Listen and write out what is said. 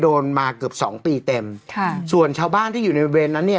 มาเกือบสองปีเต็มค่ะส่วนชาวบ้านที่อยู่ในบริเวณนั้นเนี่ย